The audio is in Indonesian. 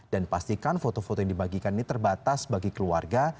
dan pastikan foto foto yang dibagikan ini terbatas bagi keluarga